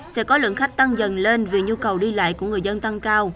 sẽ có lượng khách tăng dần lên vì nhu cầu điện thoại